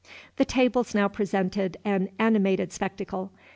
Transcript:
The tables now presented an animated spectacle.